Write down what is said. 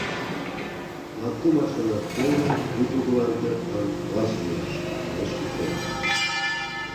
— Латкум аршынат пеле куд угылан пӧртлан лач лиеш, — манеш Епрем.